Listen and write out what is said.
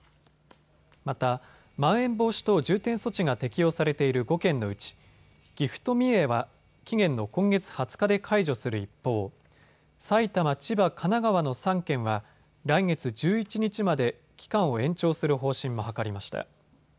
また、まん延防止等重点措置が適用されている５県のうち岐阜と三重は期限の今月２０日で解除する一方、埼玉、千葉、神奈川の３県は来月１１日まで期間を延長する方針も諮りました。